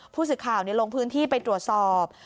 ผู้สื่อข่าวลงพื้นที่ไปตรวจสอบ